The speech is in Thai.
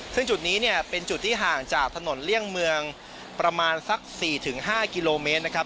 ซึ่งจุดนี้เนี่ยเป็นจุดที่ห่างจากถนนเลี่ยงเมืองประมาณสัก๔๕กิโลเมตรนะครับ